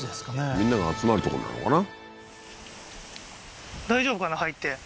みんなが集まるとこなのかな？